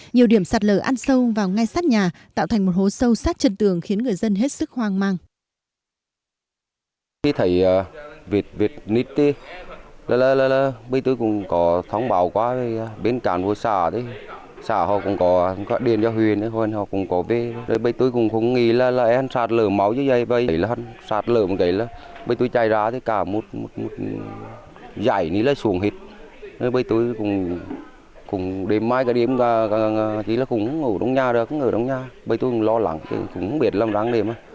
nhiều điểm sạt lở ăn sâu vào ngay sát nhà tạo thành một hố sâu sát chân tường khiến người dân hết sức hoang măng